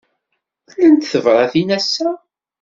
Llant tebṛatin ass-a?